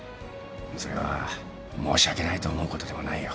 それは申し訳ないと思うことでもないよ。